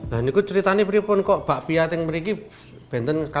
waskada itu secara gerak suparti miliknya menjadi tatan pembantuinya